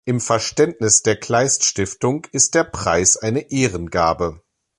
Im Verständnis der Kleist-Stiftung ist der Preis eine „Ehrengabe“.